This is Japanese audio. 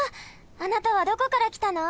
あなたはどこからきたの？